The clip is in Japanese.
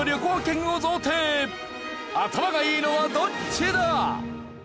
頭がいいのはどっちだ！？